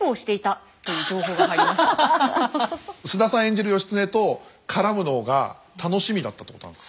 演じる義経と絡むのが楽しみだったってことなんですか？